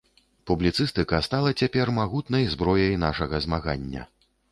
Публіцыстыка стала цяпер магутнай зброяй нашага змагання.